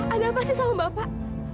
ada apa sih sama bapak